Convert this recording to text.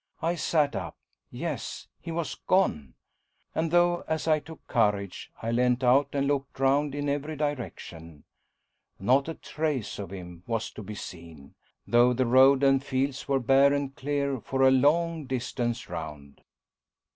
I sat up yes, he was gone! And though, as I took courage, I leant out and looked round in every direction, not a trace of him was to be seen, though the road and the fields were bare and clear for a long distance round.